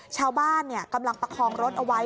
ชาวบ้านกำลังประคองรถเอาไว้